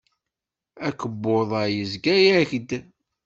Akebbuḍ-a yezga-ak-d.